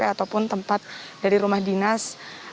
ataupun tempat dari rumah dinas